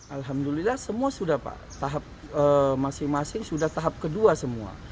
alhamdulillah semua sudah pak tahap masing masing sudah tahap kedua semua